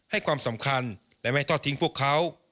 ให้ความสำคัญและไม่ทอดทิ้งพวกเขา